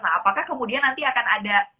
apakah kemudian nanti akan ada